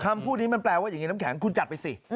คำพูดนี้มันแปลว่าอย่างนี้น้ำแข็งคุณจัดไปสิ